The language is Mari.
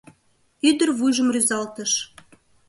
Ӱдыр вуйжым рӱзалтыш: